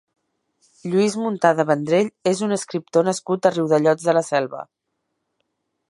Lluís Muntada Vendrell és un escriptor nascut a Riudellots de la Selva.